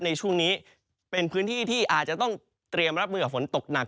ในช่วงนี้เป็นพื้นที่ที่อาจจะต้องเตรียมรับมือกับฝนตกหนัก